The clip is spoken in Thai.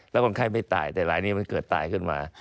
แล้วคนไข้ไม่ตายแต่รายนี้มันเกิดตายขึ้นมา